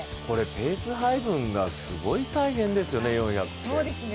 ペース配分がすごい大変ですよね、４００って。